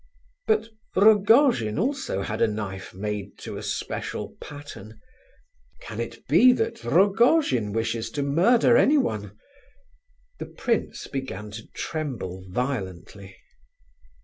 But Rogojin also had a knife made to a special pattern. Can it be that Rogojin wishes to murder anyone? The prince began to tremble violently.